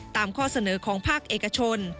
ข้อเสนอของภาคเอกชน